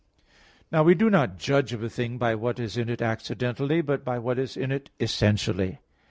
Now we do not judge of a thing by what is in it accidentally, but by what is in it essentially.